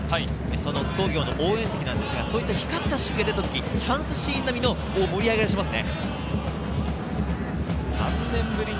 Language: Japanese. その津工業の応援席ですが、そういった光った守備があった時、チャンスシーン並みの盛り上がりをしますね。